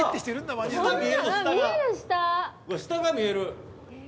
下が見える。